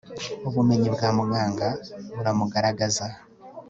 ubumenyi bwa muganga buramugaragaza